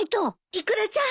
イクラちゃん